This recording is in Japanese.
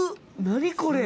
何これ？